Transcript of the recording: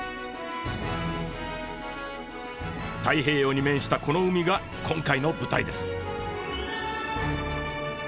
太平洋に面したこの海が今回の舞台です。